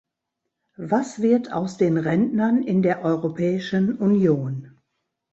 Was wird aus den Rentnern in der Europäischen Union?